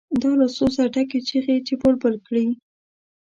دا له سوزه ډکې چیغې چې بلبل کړي.